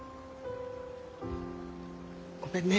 ごめんね。